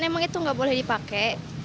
memang itu nggak boleh dipakai